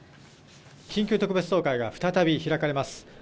緊急特別総会が再び開かれます。